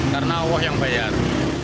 karena allah yang bayar